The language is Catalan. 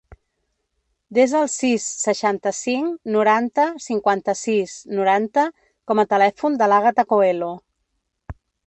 Desa el sis, seixanta-cinc, noranta, cinquanta-sis, noranta com a telèfon de l'Àgata Coelho.